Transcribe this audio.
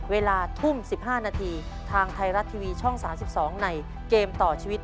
เวลาทุ่ม๑๕นาทีทางไทยรัฐทีวีช่อง๓๒ในเกมต่อชีวิต